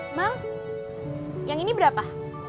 emang yang ini berapa